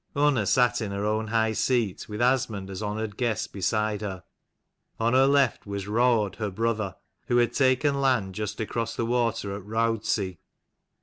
Unna sat in her own high seat, with Asmund as honoured guest beside her. On her left hand was Raud her brother, who had taken land just across the water at Roudsey.